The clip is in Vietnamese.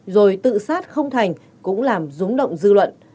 rồi tự sát không thành cũng làm rúng động dư luận